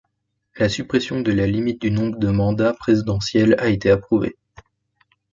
La suppression de la limite du nombre de mandat présidentiel a été approuvé.